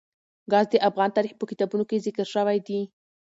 ګاز د افغان تاریخ په کتابونو کې ذکر شوی دي.